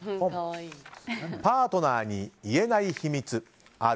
パートナーに言えない秘密ある？